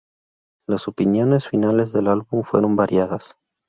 Las opiniones finales del álbum fueron variadas.